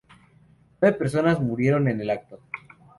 Nueve personas murieron en el acto.